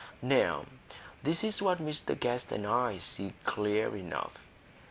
Now this is what Mr Guest and I see clear enough.